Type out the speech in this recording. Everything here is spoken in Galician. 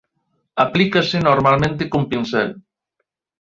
Aplícase normalmente con pincel.